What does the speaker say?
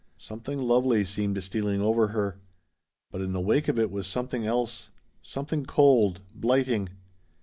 Something lovely seemed stealing over her. But in the wake of it was something else something cold, blighting.